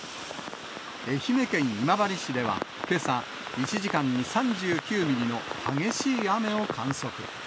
愛媛県今治市ではけさ、１時間に３９ミリの激しい雨を観測。